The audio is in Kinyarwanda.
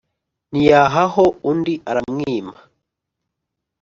ntiyahaho undi aramwima